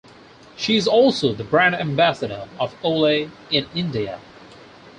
She is also the brand ambassador of Olay in India.